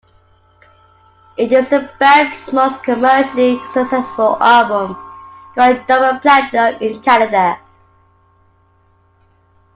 It is the band's most commercially successful album, going double platinum in Canada.